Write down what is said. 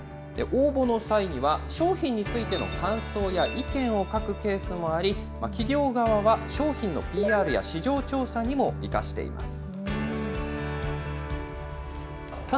応募の際には、商品についての感想や意見を書くケースもあり、企業側は商品のＰＲや市場調査にも生かしています。